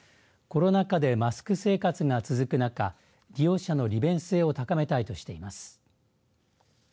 コロナ禍でマスク生活が続く中、利用者の利便性を高めたいとしています。